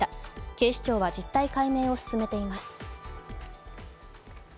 警視庁は実態解明を進めています。